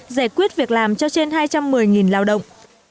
giải quyết việc làm cho trên hai trăm một mươi lao động